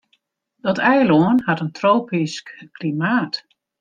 Dat eilân hat in tropysk klimaat.